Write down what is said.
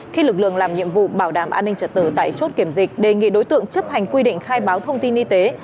khi lực lượng làm nhiệm vụ bảo đảm an ninh trật tự tại chốt kiểm dịch đề nghị đối tượng chấp hành quy định khai báo thông tin y tế